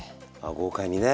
豪快にね！